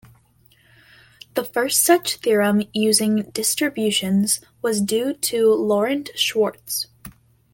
The first such theorem using distributions was due to Laurent Schwartz.